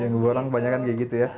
yang borong banyaknya kayak gitu ya